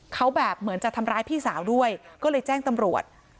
เขาแบบเหมือนจะทำร้ายพี่สาวด้วยก็เลยแจ้งตำรวจ